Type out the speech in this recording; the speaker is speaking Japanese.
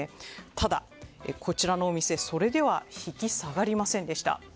ただ、こちらのお店、それでは引き下がりませんでした。